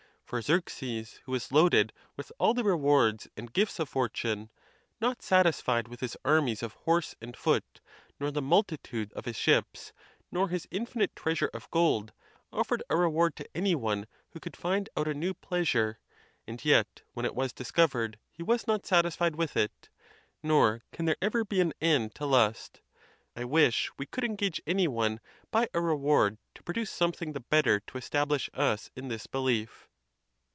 For Xerxes, who was loaded with all the rewards and gifts of fortune, not satisfied with his armies of horse and foot, nor the multitude of his ships, nor his infinite treasure of gold, offered a reward to any one who could find out a new pleasure; and yet, when it was discovered, he was not satisfied with it; nor can there ever be an end to lust. I wish we could engage any one by a reward to produce something the better to establish us in this belief.